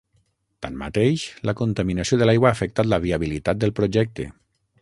Tanmateix, la contaminació de l'aigua ha afectat la viabilitat del projecte.